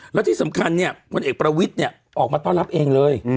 แล้วที่สำคัญเนี่ยพลเอกประวิทธิ์เนี่ย